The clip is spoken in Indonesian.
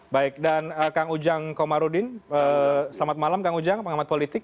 baik dan kang ujang komarudin selamat malam kang ujang pengamat politik